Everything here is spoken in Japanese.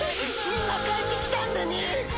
みんな帰ってきたんだね